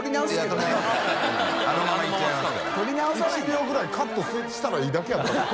１秒ぐらいカットしたらいいだけやないの？